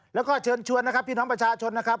แล้วก็เชิญชวนนะครับพี่น้องประชาชนนะครับ